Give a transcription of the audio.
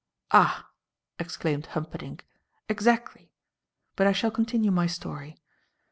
"Ah!" exclaimed Humperdinck. "Exactly. But I shall continue my story.